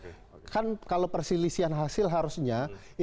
sifatnya perselisihan hasil harusnya